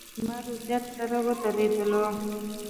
د بېمارو زيارت سره ودرېدلو.